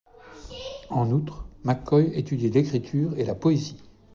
En outre, McCoy étudie l'écriture et la poésie.